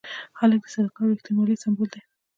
هلک د صداقت او ریښتینولۍ سمبول دی.